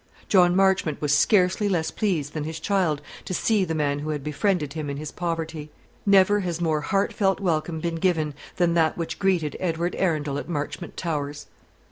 John Marchmont was scarcely less pleased than his child to see the man who had befriended him in his poverty. Never has more heartfelt welcome been given than that which greeted Edward Arundel at Marchmont Towers.